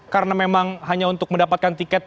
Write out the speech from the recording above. karena memang hanya untuk mendapatkan tiket